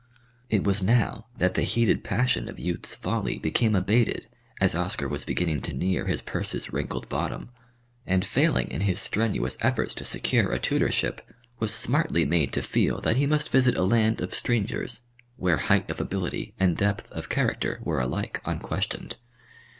It was now that the heated passion of youth's folly became abated as Oscar was beginning to near his purse's wrinkled bottom, and failing in his strenuous efforts to secure a tutorship, was smartly made to feel that he must visit a land of strangers, where height of ability and depth of character were alike unquestioned.